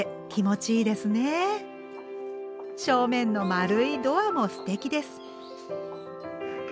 正面の丸いドアもすてきです。